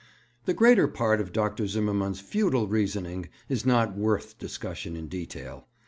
The greater part of Dr. Zimmermann's futile reasoning is not worth discussion in detail.